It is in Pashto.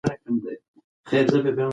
اجازه راکړئ چې زه خپله نظر څرګند کړم.